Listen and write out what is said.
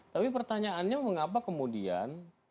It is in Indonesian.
tapi pertanyaannya mengapa kemudian